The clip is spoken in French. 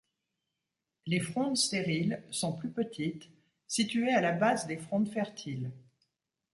Les frondes stériles sont plus petites, situées à la base des frondes fertiles.